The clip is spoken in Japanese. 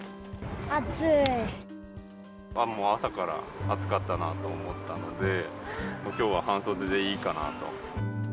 もう朝から暑かったなと思ったので、きょうは半袖でいいかなと。